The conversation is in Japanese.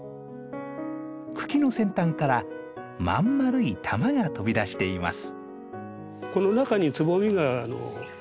茎の先端から真ん丸い玉が飛び出しています。